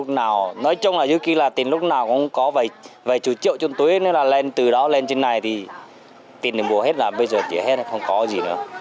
tuy nhiên là từ đó lên trên này thì tiền bồi hết là bây giờ chỉ hết không có gì nữa